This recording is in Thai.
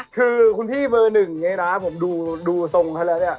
คือคุณพี่เบอร์หนึ่งเนี่ยนะผมดูทรงเขาแล้วเนี่ย